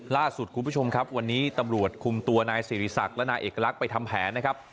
ล่าสุดคุณผู้ชมครับวันนี้ตำรวจคุมตัวนายสิริศักดิ์และนายเอกลักษณ์ไปทำแผนนะครับ